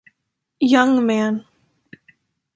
Young man